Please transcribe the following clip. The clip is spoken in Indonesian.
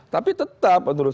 tapi tetap menurut